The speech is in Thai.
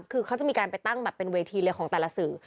คือเขาจะมีการไปตั้งแบบเป็นเวทีเลยของแต่ละสื่อ